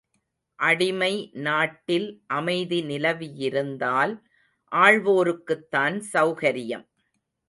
அடிமை நாட்டில் அமைதி நிலவியிருந்தால் ஆள்வோருக்குத்தான் செளகரியம்.